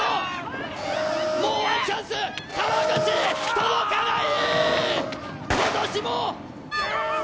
届かない！